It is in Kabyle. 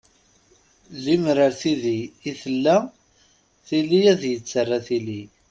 Lemmer ar tiddi i tt-tella, tili ad yettarra tili.